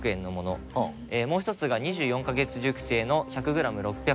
もう１つが２４カ月熟成の１００グラム６００円。